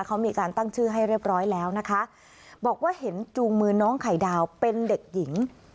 เขามีการตั้งชื่อให้เรียบร้อยแล้วนะคะบอกว่าเห็นจูงมือน้องไข่ดาวเป็นเด็กหญิง